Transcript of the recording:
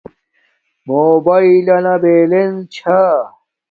موباݵلنا بلینس چھا